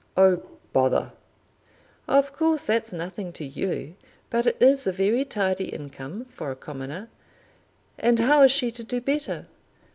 "Oh, bother!" "Of course that's nothing to you, but it is a very tidy income for a commoner. And how is she to do better?"